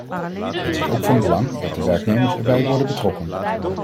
Het is ook van belang dat de werknemers erbij worden betrokken.